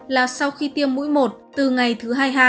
là sau khi tiêm mũi một từ ngày thứ hai mươi hai